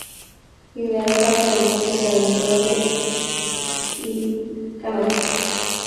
Ideal para el deporte de aventura de y canotaje.